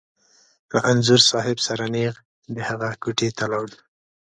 له انځور صاحب سره نېغ د هغه کوټې ته لاړو.